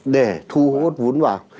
để thu hút vốn vào